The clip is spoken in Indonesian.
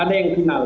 ada yang final